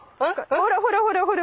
ほらほらほらほら。